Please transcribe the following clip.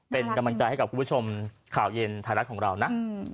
เป็นกำลังใจให้กับคุณผู้ชมข่าวเย็นไทยรัฐของเรานะ